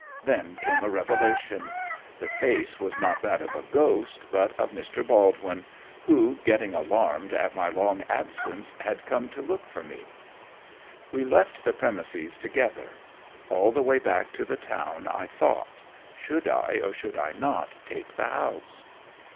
Then came a revelation. The face was not that of a ghost but of Mr. Baldwin, who, getting alarmed at my long absence, had come to look for me. We left the premises together. All the way back to the town I thought should I, or should I not, take the house?